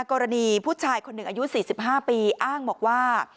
กรณีผู้ชายคนหนึ่งอายุ๔๕ปีอ้างบอกว่า